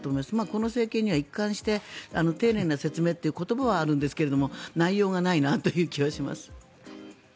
この政権には、一貫して丁寧な説明という言葉はあるんですけど内容がないなという気はします。